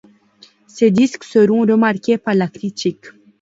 Ces disques seront remarqués par la critique.